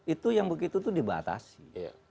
itu yang begitu itu dibatasi